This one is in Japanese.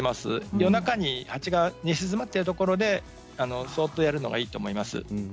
夜中にハチが寝静まったところでそっとやるのがいいと思います。